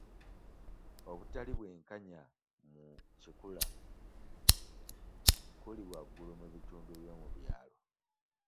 Obutali bwenkanya mu kikula kuli waggulu mu bitundu by'omu byalo.